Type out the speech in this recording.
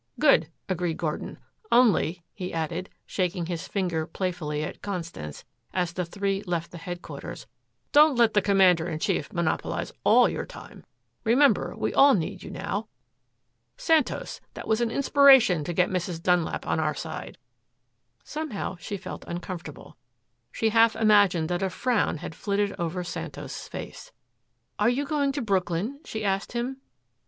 "Good," agreed Gordon, "only," he added, shaking his finger playfully at Constance, as the three left the headquarters, "don't let the commander in chief monopolize ALL your time, Remember, we all need you now. Santos, that was an inspiration to get Mrs. Dunlap on our side." Somehow she felt uncomfortable. She half imagined that a frown had flitted over Santos' face. "Are you going to Brooklyn?" she asked him.